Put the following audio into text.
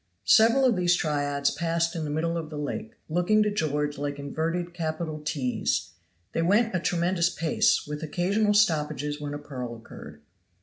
Several of these triads passed in the middle of the lake, looking to George like inverted capital "T's." They went a tremendous pace with occasional stoppages when a purl occurred.